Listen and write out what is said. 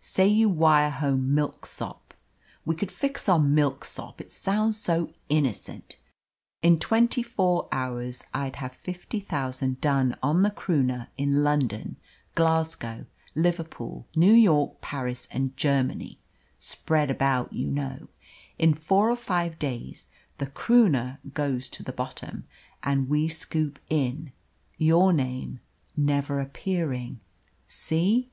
Say you wire home 'Milksop.' We could fix on 'Milksop'; it sounds so innocent! In twenty four hours I'd have fifty thousand done on the Croonah in London, Glasgow, Liverpool, New York, Paris, and Germany spread about, you know. In four or five days the Croonah goes to the bottom, and we scoop in, your name never appearing see?"